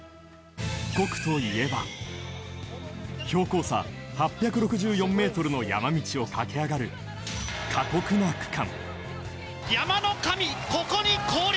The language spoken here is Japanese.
５区といえば標高差８６４ｍの山道を駆け上がる過酷な区間。